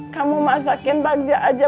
kamu masakin bagja aja